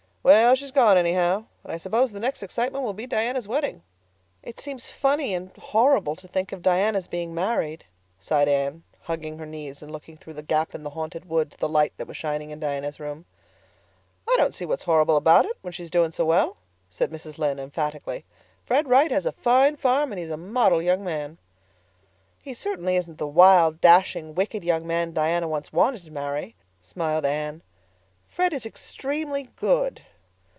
Well, she's gone anyhow; and I suppose the next excitement will be Diana's wedding." "It seems funny and horrible to think of Diana's being married," sighed Anne, hugging her knees and looking through the gap in the Haunted Wood to the light that was shining in Diana's room. "I don't see what's horrible about it, when she's doing so well," said Mrs. Lynde emphatically. "Fred Wright has a fine farm and he is a model young man." "He certainly isn't the wild, dashing, wicked, young man Diana once wanted to marry," smiled Anne. "Fred is extremely good."